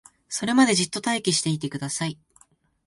それまでじっと待機していてください